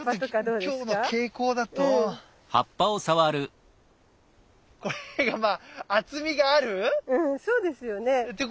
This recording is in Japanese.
ちょっと今日の傾向だとうんそうですよね。